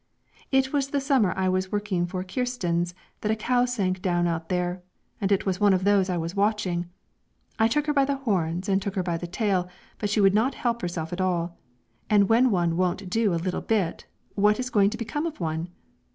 "It was the summer I was working for Kristens that a cow sank down out there, and it was one of those I was watching. I took her by the horns and I took her by the tail, but she would not help herself at all, and when one won't do a little bit, what is going to become of one?